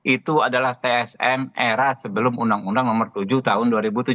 itu adalah tsm era sebelum undang undang nomor tujuh tahun dua ribu tujuh belas